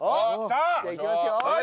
じゃあいきますよ。